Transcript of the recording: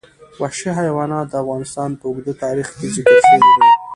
وحشي حیوانات د افغانستان په اوږده تاریخ کې ذکر شوی دی.